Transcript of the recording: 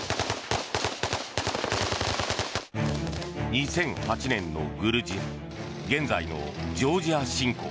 ２００８年のグルジア現在のジョージア侵攻。